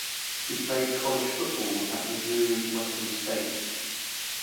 He played college football at Missouri Western State.